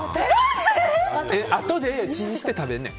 あとでチンして食べるねん。